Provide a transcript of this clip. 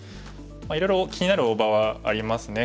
いろいろ気になる大場はありますね。